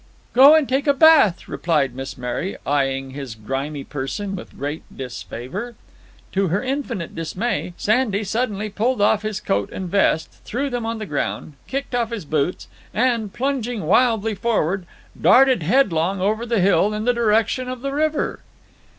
"Go and take a bath," replied Miss Mary, eying his grimy person with great disfavor. To her infinite dismay, Sandy suddenly pulled off his coat and vest, threw them on the ground, kicked off his boots, and, plunging wildly forward, darted headlong over the hill, in the direction of the river.